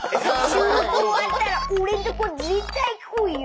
収録終わったら俺んとこ絶対来いよ！